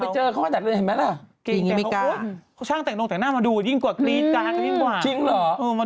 อืมอืมอืมอืมอืมอืมอืมอืม